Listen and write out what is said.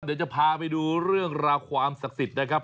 เดี๋ยวจะพาไปดูเรื่องราวความศักดิ์สิทธิ์นะครับ